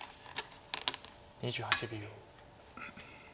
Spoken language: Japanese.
２８秒。